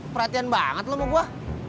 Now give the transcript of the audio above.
perhatian banget lo mau gue